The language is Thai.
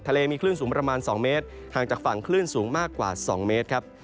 เลมีคลื่นสูงประมาณ๒เมตรห่างจากฝั่งคลื่นสูงมากกว่า๒เมตรครับ